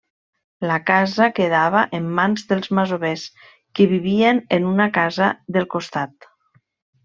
La casa quedava en mans dels masovers que vivien en una casa del costat.